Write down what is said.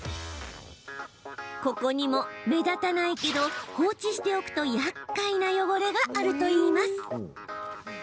ここにも、目立たないけど放置しておくとやっかいな汚れがあるといいます。